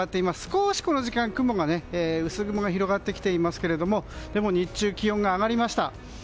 少し、この時間薄雲が広がってきていますがでも日中、気温が上がりました。